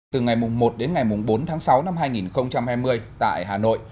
từ ngày một đến ngày bốn tháng sáu năm hai nghìn hai mươi tại hà nội